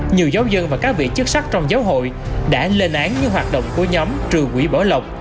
nhiều giáo dân và các vị chức sắc trong giáo hội đã lên án những hoạt động của nhóm trừ quỷ bỏ lộc